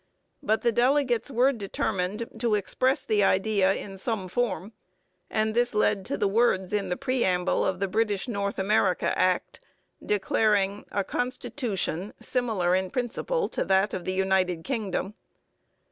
But the delegates were determined to express the idea in some form; and this led to the words in the preamble of the British North America Act declaring 'a constitution similar in principle to that of the United Kingdom.'